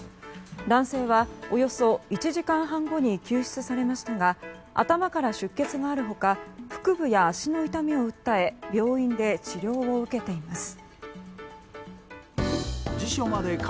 男性はおよそ１時間半後に救出されましたが頭から出血がある他腹部や足の痛みを訴え病院で治療を受けています。